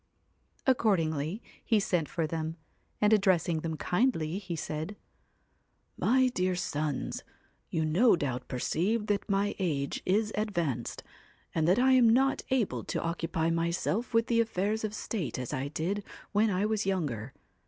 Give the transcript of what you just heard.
Accordingly he sent for them, and addressing them kindly, he said ' My dear sons, you no doubt perceive that my age is advanced, and that I am not able to occupy myself with the affairs of state as I did when I was younger.